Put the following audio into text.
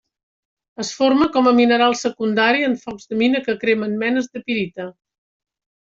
Es forma com a mineral secundari en focs de mina que cremen menes de pirita.